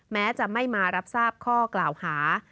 แม้จะไม่มารับทราบข้อกล่าวหา